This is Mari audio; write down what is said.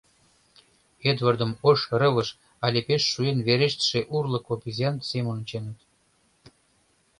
Эдвардым ош рывыж але пеш шуэн верештше урлык обезьян семын онченыт.